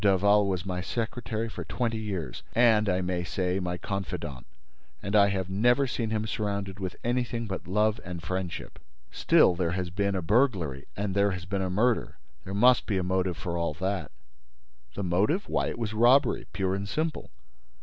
Daval was my secretary for twenty years and, I may say, my confidant; and I have never seen him surrounded with anything but love and friendship." "Still, there has been a burglary and there has been a murder: there must be a motive for all that." "The motive? Why, it was robbery pure and simple."